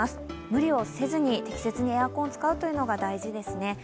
無理をせずに、適切にエアコンを使うというのが大事ですね。